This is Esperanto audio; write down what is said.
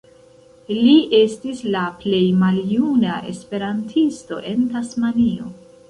Li estis la plej maljuna esperantisto en Tasmanio.